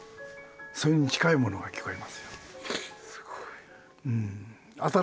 それに近いものが聞こえますよ。